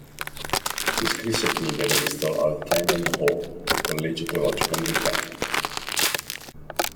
Si iscrisse quindi a Bristol al "Tyndall Hall", un collegio teologico anglicano.